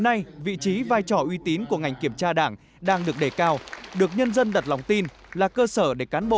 nay vị trí vai trò uy tín của ngành kiểm tra đảng đang được đề cao được nhân dân đặt lòng tin là cơ sở để cán bộ